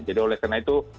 jadi oleh karena itu